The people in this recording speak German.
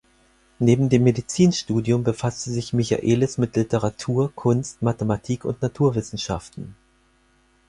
Neben dem Medizinstudium befasste sich Michaelis mit Literatur, Kunst, Mathematik und Naturwissenschaften.